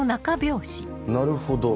なるほど。